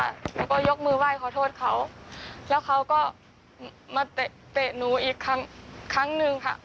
แล้วก็ยกมือไหว้ขอโทษเขาแล้วเขาก็มาเตะหนูอีกครั้งครั้งหนึ่งค่ะ